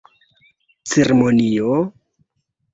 Ceremonio!?